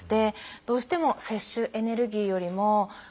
どうしても摂取エネルギーよりも。